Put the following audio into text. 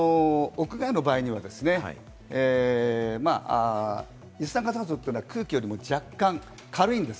まず屋外の場合は一酸化炭素は空気よりも若干軽いんです。